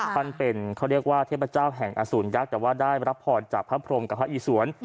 ท่านเป็นเขาเรียกว่าเทพเจ้าแห่งอสูรยักษ์แต่ว่าได้รับพรจากพระพรมกับพระอีสวน